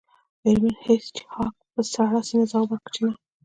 میرمن هیج هاګ په سړه سینه ځواب ورکړ چې نه